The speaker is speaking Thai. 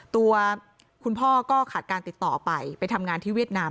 ตัวคุณพ่อก็ขาดการติดต่อไปไปทำงานที่เวียดนาม